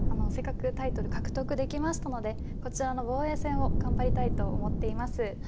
せっかくタイトル獲得できましたのでこちらの防衛戦を頑張りたいと思っています。